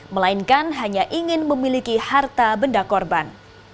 melainkan hanya ingin memiliki harta benda korban